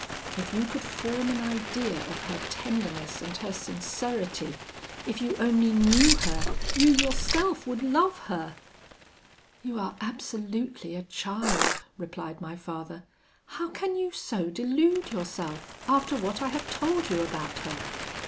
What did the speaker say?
If you could form an idea of her tenderness and her sincerity if you only knew her, you yourself would love her!' 'You are absolutely a child,' replied my father. 'How can you so delude yourself, after what I have told you about her?